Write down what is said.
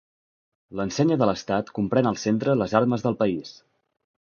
L'ensenya de l'estat comprèn al centre les armes del país.